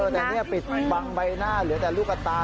แต่นี่ปิดบังใบหน้าเหลือแต่ลูกตา